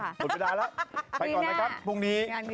หมดไม่ได้แล้วไปก่อนเลยครับพรุ่งนี้